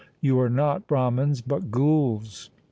You are not Brahmans but ghouls.